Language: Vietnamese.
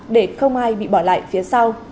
để không ai bị bỏ lại phía sau